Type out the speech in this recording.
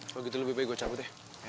kalau gitu lebih baik gue cabut deh